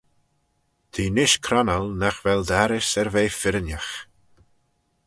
T'eh nish cronnal nagh vel dt'arrys er ve firrinagh.